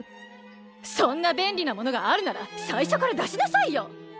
そんな便利なものがあるなら最初から出しなさいよ！